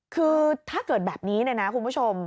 คือถ้าเกิดแบบนี้เนี่ยนะคุณผู้ชม